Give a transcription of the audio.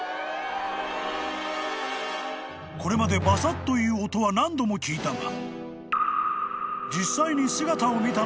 ［これまで「バサッ」という音は何度も聞いたが］